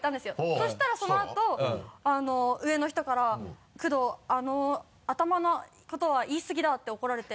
そしたらそのあと上の人から「工藤頭のことは言い過ぎだ」って怒られて。